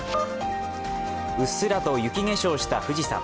うっすらと雪化粧した富士山。